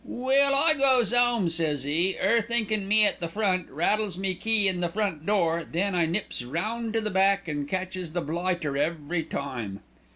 "'Well, I goes 'ome,' says 'e, ''er thinkin' me at the front, rattles my key in the front door, then I nips round to the back, an' catches the blighter every time!'"